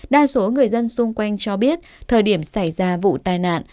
đa số người dân xung quanh cho biết thời điểm xảy ra vụ tai nạn